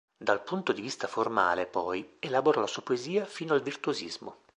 Dal punto di vista formale poi, elaborò la sua poesia fino al virtuosismo.